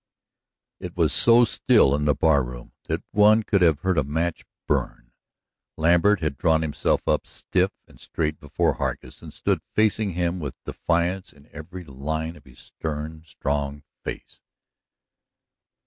It was so still in the barroom that one could have heard a match burn. Lambert had drawn himself up stiff and straight before Hargus, and stood facing him with defiance in every line of his stern, strong face.